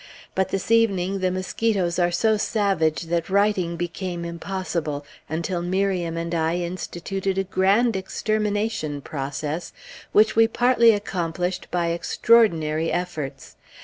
But this evening, the mosquitoes are so savage that writing became impossible, until Miriam and I instituted a grand extermination process, which we partly accomplished by extraordinary efforts.